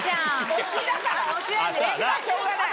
推しだから推しはしょうがない。